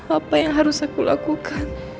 apa yang harus aku lakukan